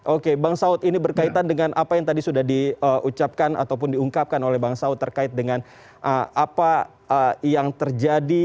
oke bang saud ini berkaitan dengan apa yang tadi sudah diucapkan ataupun diungkapkan oleh bang saud terkait dengan apa yang terjadi